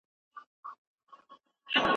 هغه غواړي چي په خپله موضوع کي پوه سي.